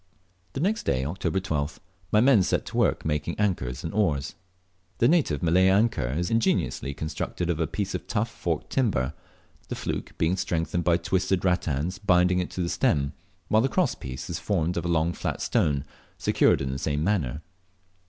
The next day (October 12th), my men set to work making anchors and oars. The native Malay anchor is ingeniously constructed of a piece of tough forked timber, the fluke being strengthened by twisted rattans binding it to the stem, while the cross piece is formed of a long flat stone, secured in the same manner.